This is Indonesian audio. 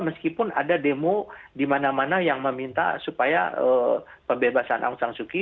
meskipun ada demo di mana mana yang meminta supaya pembebasan aung san suu kyi